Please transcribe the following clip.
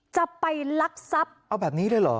จะไปรักทรัพย์